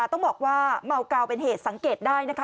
ต้องบอกว่าเมากาวเป็นเหตุสังเกตได้นะคะ